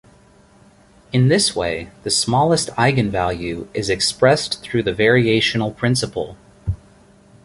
In this way, the smallest eigenvalue is expressed through the variational principle.